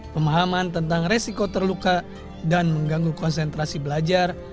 pemahaman tentang resiko terluka dan mengganggu konsentrasi belajar